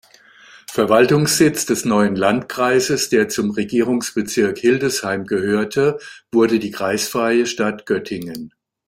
Verwaltungssitz des neuen Landkreises, der zum Regierungsbezirk Hildesheim gehörte, wurde die kreisfreie Stadt Göttingen.